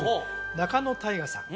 仲野太賀さん